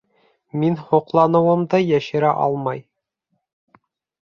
Мин һоҡланыуымды йәшерә алмай: